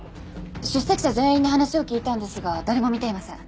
出席者全員に話を聞いたんですが誰も見ていません。